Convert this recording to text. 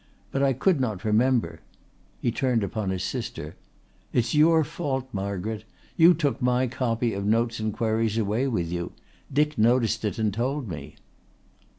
But I could not remember." He turned upon his sister. "It is your fault, Margaret. You took my copy of Notes and Queries away with you. Dick noticed it and told me."